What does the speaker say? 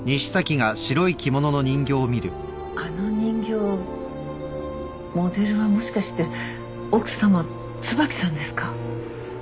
あの人形モデルはもしかして奥さま椿さんですか？